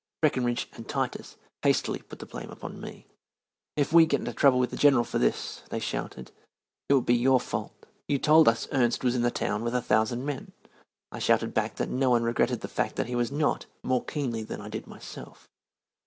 Breckenridge and Titus hastily put the blame upon me. "If we get into trouble with the General for this," they shouted, "it will be your fault. You told us Ernst was in the town with a thousand men." I shouted back that no one regretted the fact that he was not more keenly than I did myself.